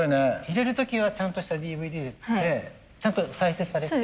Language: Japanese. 入れる時はちゃんとしたＤＶＤでちゃんと再生されて。